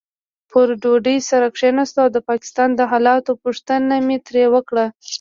پر ډوډۍ سره کښېناستو او د پاکستان د حالاتو پوښتنې مې ترې وکړې.